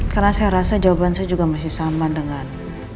karena saya rasa jawaban saya juga masih sama dengan